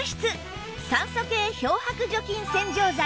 酸素系漂白除菌洗浄剤